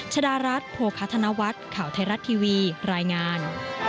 ชดารัฐโภคธนวัฒน์ข่าวไทยรัฐทีวีรายงาน